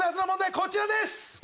こちらです。